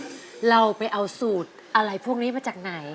อเรนนี่ส์เราไปเอาสูตรอะไรพวกนี้มาจากไหน